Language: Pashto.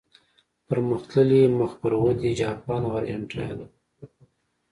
پرمختللي، مخ پر ودې، جاپان او ارجنټاین.